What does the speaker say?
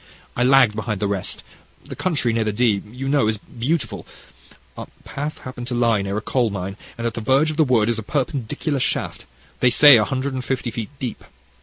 I lagged behind the rest: the country near the Dee, you know, is beautiful. Our path happened to lie near a coal mine, and at the verge of the wood is a perpendicular shaft, they say, a hundred and fifty feet deep.